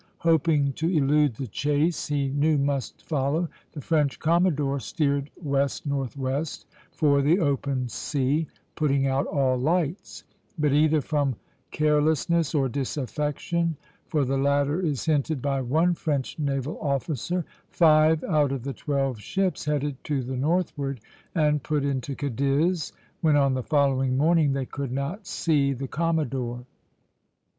Hoping to elude the chase he knew must follow, the French commodore steered west northwest for the open sea, putting out all lights; but either from carelessness or disaffection, for the latter is hinted by one French naval officer, five out of the twelve ships headed to the northward and put into Cadiz when on the following morning they could not see the commodore.